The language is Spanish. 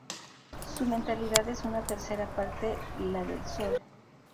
Su metalicidad es una tercera parte la del Sol.